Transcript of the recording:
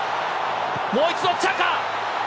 もう一度チャカ。